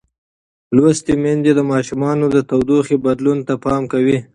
لوستې میندې د ماشومانو د تودوخې بدلون ته پام کوي.